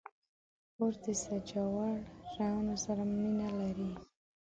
خور د سجاوړ شیانو سره مینه لري.